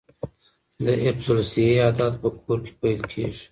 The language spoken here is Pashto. د حفظ الصحې عادات په کور کې پیل کیږي.